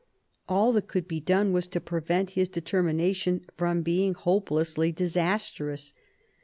All that could be done was to prevent his determination from being hopelessly disastrous.